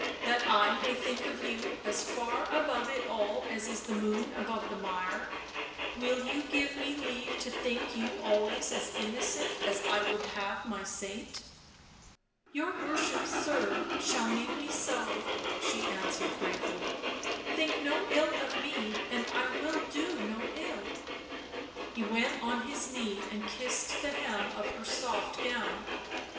that I may think of you as far above it all as is the moon above the mire — will you give me leave to think you always as innocent as I w'ould have my saint ?"" Your worship, sir, shall make me so," she answered gravely. " Think no ill of me and I will do no ill." He went on his knee and kissed the hem of her soft gown.